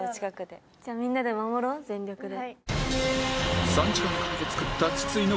みんなで守ろう全力で。